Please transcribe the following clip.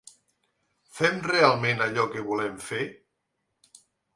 Fem realment allò que volem fer?